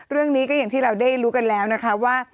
เรื่องนี้ที่เราได้รู้กัดแล้วค่ะว่า